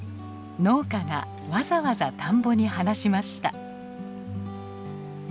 農家がわざわざ田んぼに放しました。